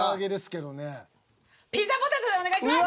ピザポテトでお願いします！